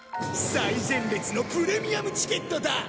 最前列のプレミアムチケットだ！